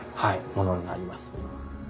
ものになります。